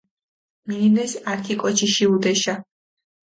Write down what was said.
მინილეს ართი კოჩიში ჸუდეშა.